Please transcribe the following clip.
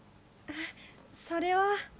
それは。